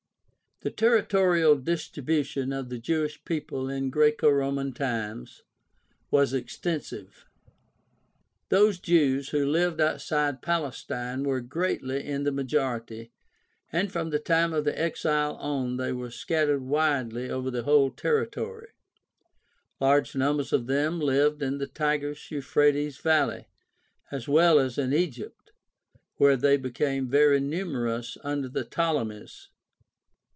— The territorial distribution of the Jewish people in Graeco Roman times was extensive. Those Jews who hved outside Palestine were greatly in the ( THE STUDY OF EARLY CHRISTIANITY 249 majority, and from the time of the Exile on they were scattered widely over the whole territory. Large numbers of them hved in the Tigris Euphrates valley as well as in Egypt, where they became very numerous under the Ptolemies.